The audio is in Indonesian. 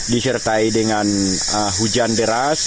disertai dengan hujan deras